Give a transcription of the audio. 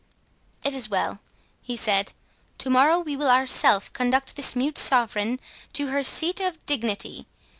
"It is well," he said; "to morrow we will ourself conduct this mute sovereign to her seat of dignity.